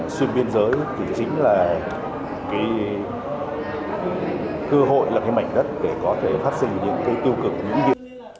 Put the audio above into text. xuyên biên giới thì chính là cái cơ hội là cái mảnh đất để có thể phát sinh những cái tiêu cực nhũng nhị